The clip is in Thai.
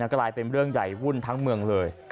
กลายเป็นเรื่องใหญ่วุ่นทั้งเมืองเลย